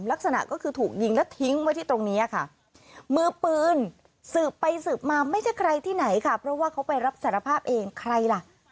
ลักษณะก็คือถูกยิงแล้วทิ้งไว้ที่ตรงนี้ค่ะมือปืนสืบไปสืบมาไม่ใช่ใครที่ไหนค่ะเพราะว่าเขาไปรับสารภาพเองใครล่ะ